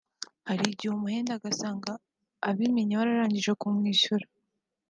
hari igihe amuhenda ugasanga abimenye yararangije kumwishyura